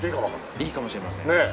いいかもしれません。